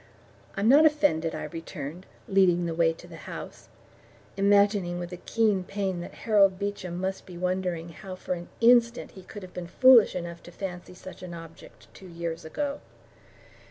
"I'm not offended," I returned, leading the way to the house, imagining with a keen pain that Harold Beecham must be wondering how for an instant he could have been foolish enough to fancy such an object two years ago.